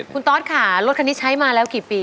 คุณตอสค่ะรถคันนี้ใช้มาแล้วกี่ปี